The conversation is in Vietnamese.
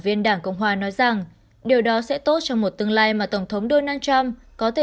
viên đảng cộng hòa nói rằng điều đó sẽ tốt trong một tương lai mà tổng thống donald trump có thể